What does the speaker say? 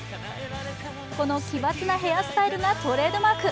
この奇抜なヘアスタイルがトレードマーク。